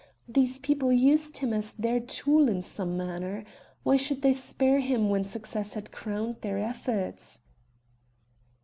These people used him as their tool in some manner. Why should they spare him when success had crowned their efforts?"